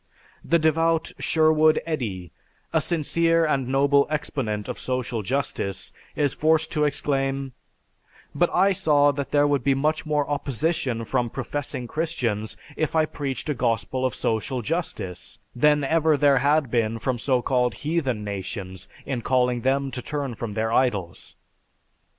The devout Sherwood Eddy, a sincere and noble exponent of social justice, is forced to exclaim; "But I saw that there would be much more opposition from professing Christians if I preached a gospel of social justice, than ever there had been from so called 'heathen' nations in calling them to turn from their idols.